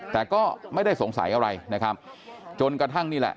แต่ก็ไม่ได้สงสัยอะไรนะครับจนกระทั่งนี่แหละ